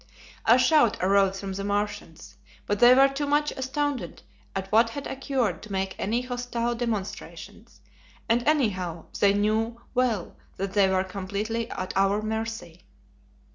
A shout arose from the Martians, but they were too much astounded at what had occurred to make any hostile demonstrations, and, anyhow, they knew well that they were completely at our mercy.